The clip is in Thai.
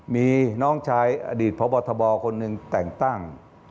มีน้องชายอดีตพบทบคนหนึ่งแต่งตั้ง